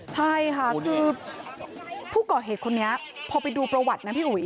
ใช่ค่ะคือผู้ก่อเหตุคนนี้พอไปดูประวัตินะพี่อุ๋ย